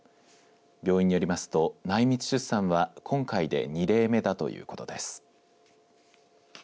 病院によりますと内密出産は、今回で２例目だということです。